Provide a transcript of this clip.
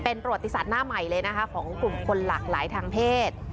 เป็นประวัติศาสตร์หน้าใหม่เลยนะคะของกลุ่มคนหลากหลายทางเพศ